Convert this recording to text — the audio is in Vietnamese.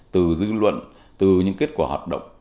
từ dư luận từ những kết quả hoạt động